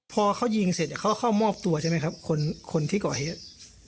พอเขายิงเสร็จเขาเข้ามอบตัวใช่ไหมครับคนที่ก่อเหตุ